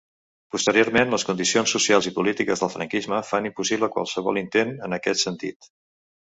Posteriorment, les condicions socials i polítiques del franquisme fan impossible qualsevol intent en aquest sentit.